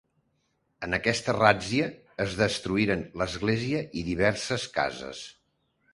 En aquesta ràtzia es destruïren l'església i diverses cases.